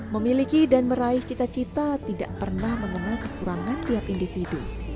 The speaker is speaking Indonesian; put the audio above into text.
memiliki dan meraih cita cita tidak pernah mengenal kekurangan tiap individu